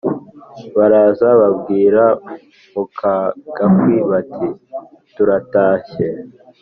baraza babwira muka gakwi bati «turatashye